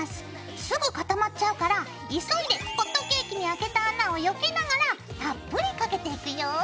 すぐ固まっちゃうから急いでホットケーキにあけた穴をよけながらたっぷりかけていくよ。